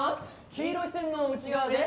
黄色い線の内側で。